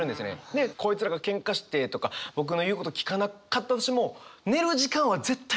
でこいつらがケンカしてとか僕の言うこと聞かなかったとしても寝る時間は絶対ここに来るんですよ。